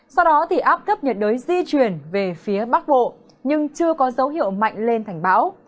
sau đó áp thấp nhiệt đới di chuyển về phía bắc bộ nhưng chưa có dấu hiệu mạnh lên thành bão